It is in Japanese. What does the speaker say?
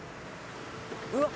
うわっ。